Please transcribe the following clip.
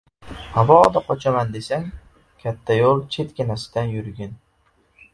— Mabodo qochaman desang — katta yo‘l chetginasidan yurgin!